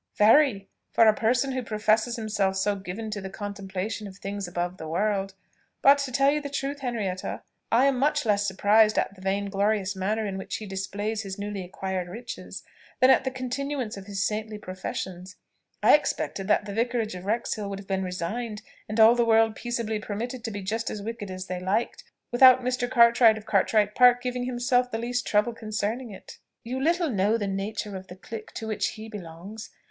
"Very for a person who professes himself so given to the contemplation of things above the world. But to tell you the truth, Henrietta, I am much less surprised at the vain glorious manner in which he displays his newly acquired riches, than at the continuance of his saintly professions. I expected that the Vicarage of Wrexhill would have been resigned, and all the world peaceably permitted to be just as wicked as they liked, without Mr. Cartwright of Cartwright Park giving himself the least trouble concerning it." "You little know the nature of the clique to which he belongs.